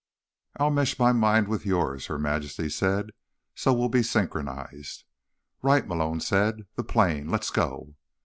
"I'll mesh my mind with yours," Her Majesty said, "so we'll be synchronized." "Right," Malone said. "The plane. Let's go."